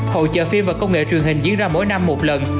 hội trợ phim và công nghệ truyền hình diễn ra mỗi năm một lần